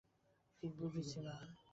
ঠিক বুঝেছি মা।